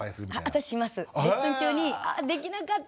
私します。